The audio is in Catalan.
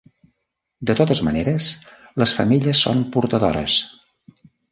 De totes maneres, les femelles són portadores.